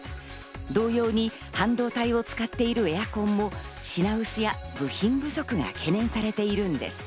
同様に半導体を使っているエアコンも品薄や部品不足が懸念されているんです。